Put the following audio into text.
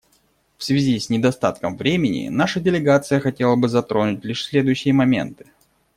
В связи с недостатком времени наша делегация хотела бы затронуть лишь следующие моменты.